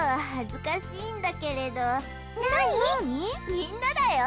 みんなだよ！